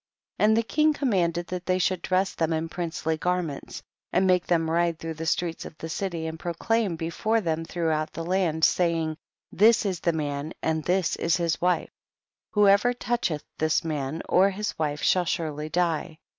1 1 . And the king commanded that they should dress them in princely garments, and make them ride through the streets of the city, and proclaim before them throughout the land, saying, this is the man and this is his wife ; whoever toucheth this man or his wife shall surely die.